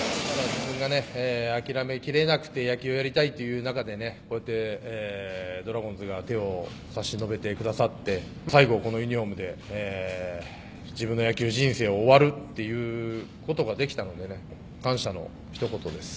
自分が諦めきれなくて野球をやりたい中で、ドラゴンズが手を差し伸べてくださって、最後このユニホームで自分の野球人生を終わるということができたので、感謝のひと言です。